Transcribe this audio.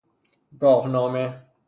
گاهنامه